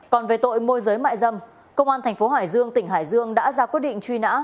còn về tội môi giới mại dâm công an thành phố hải dương tỉnh hải dương đã ra quyết định truy nã